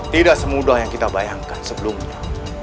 tidak semudah yang kita bayangkan sebelumnya